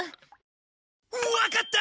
わかった！